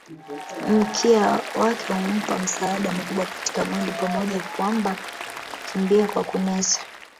Mkia wake hummpa msaada mkubwa katika mwili pamoja kwamba hukimbia kwa kunesa